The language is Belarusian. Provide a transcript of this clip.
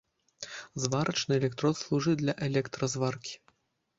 Зварачны электрод служыць для электразваркі.